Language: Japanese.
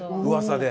噂で？